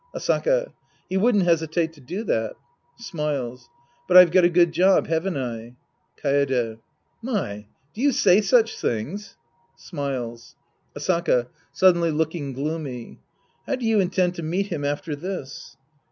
Asaka. He wouldn't hesitate to do that. {Smiles.) But I've got a good job, haven't I ? Kaede. My. Do you say such things ? {Smiles) Asaka {suddenly looking gloomy). How do you intend to meet him after this